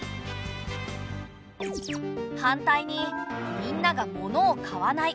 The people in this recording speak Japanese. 反対にみんなが物を買わない。